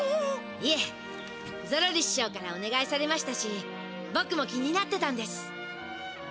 いえゾロリししょうからおねがいされましたしぼくも気になってたんです。